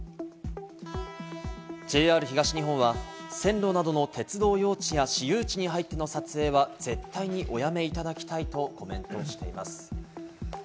ＪＲ東日本は、線路などの鉄道用地や私有地に入っての撮影は絶対におやめいただきたいとコメントしています。